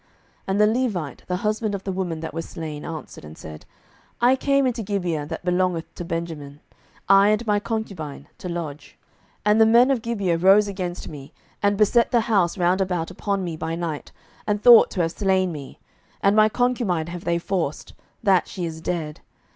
07:020:004 And the Levite, the husband of the woman that was slain, answered and said, I came into Gibeah that belongeth to Benjamin, I and my concubine, to lodge. 07:020:005 And the men of Gibeah rose against me, and beset the house round about upon me by night, and thought to have slain me: and my concubine have they forced, that she is dead.